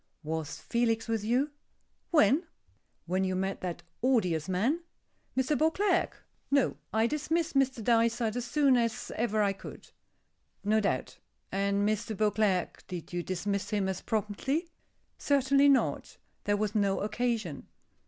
"Was Felix with you?" "When?" "When you met that odious man?" "Mr. Beauclerk? No; I dismissed Mr. Dysart as soon as ever I could." "No doubt. And Mr. Beauclerk, did you dismiss him as promptly." "Certainly not. There was no occasion."